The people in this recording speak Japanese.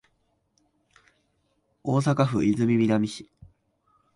大阪府泉南市